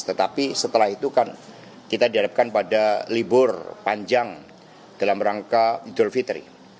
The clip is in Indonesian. tetapi setelah itu kan kita dihadapkan pada libur panjang dalam rangka idul fitri